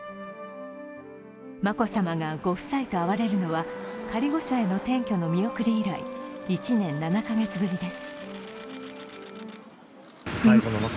眞子さまがご夫妻と会われるのは、仮御所の転居の見送り以来、１年７カ月ぶりです。